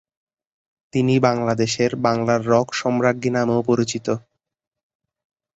তিনি বাংলাদেশের "বাংলার রক সম্রাজ্ঞী" নামেও পরিচিত।